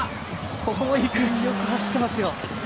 ここも、よく走っていますよ。